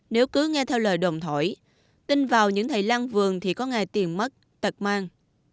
nếu cứ nghe theo lời đồn thổi tin vào những thầy lang vườn thì có ngày tiền mất tật mang